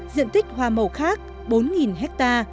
diện tích hoa màu khác bốn ha